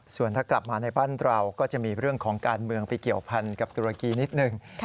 ส่วนถ้ากลับมาในบ้านเราก็จะมีเรื่องของการเมืองไปเกี่ยวพันกับตุรกีนิดหนึ่ง